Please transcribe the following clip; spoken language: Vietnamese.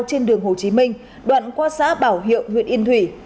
trên đường hồ chí minh đoạn qua xã bảo hiệu huyện yên thủy